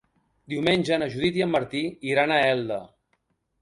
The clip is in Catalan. Diumenge na Judit i en Martí iran a Elda.